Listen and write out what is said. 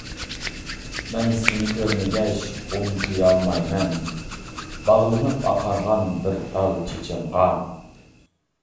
مەن سىنى كۆرمىگەچ ئۇنتۇيالمايمەن، باغلىنىپ ئاقارغان بىر تال چېچىڭغا.